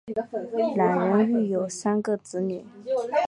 两人育有三个子女。